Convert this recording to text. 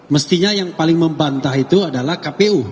mestinya yang paling membantah itu adalah kpu